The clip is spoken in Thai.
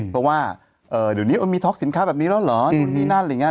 เพราะว่าเดี๋ยวนี้มีท็อกสินค้าแบบนี้แล้วเหรอนู่นนี่นั่นอะไรอย่างนี้